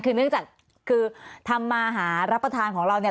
คือเนื่องจากคือทำมาหารับประทานของเราเนี่ย